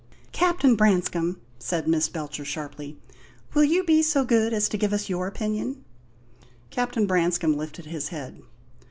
"Captain Branscome," said Miss Belcher, sharply, "will you be so good as to give us your opinion?" Captain Branscome lifted his head.